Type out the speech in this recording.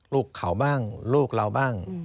ลูกเขาบ้างลูกเราบ้าง